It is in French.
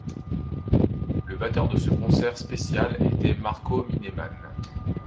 Le batteur de ce concert spécial était Marco Minnemann.